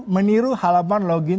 meniru halaman login